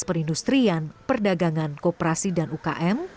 perindustrian perdagangan kooperasi dan ukm